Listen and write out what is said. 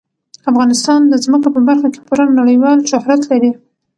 افغانستان د ځمکه په برخه کې پوره نړیوال شهرت لري.